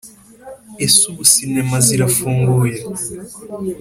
ese ubu sinema zirafunguye